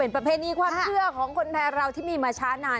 ประเพณีความเชื่อของคนไทยเราที่มีมาช้านาน